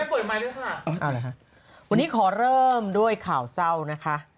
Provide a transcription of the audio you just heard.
วันนี้ขอเริ่มด้วยข่าวเศร้านะคะ